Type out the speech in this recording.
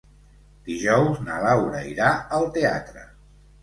Dijous na Laura irà al teatre.